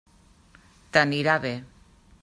T'anirà bé.